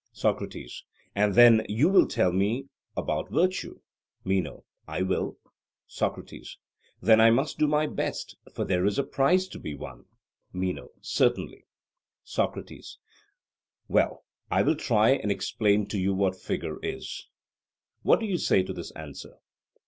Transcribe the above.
SOCRATES: And then you will tell me about virtue? MENO: I will. SOCRATES: Then I must do my best, for there is a prize to be won. MENO: Certainly. SOCRATES: Well, I will try and explain to you what figure is. What do you say to this answer?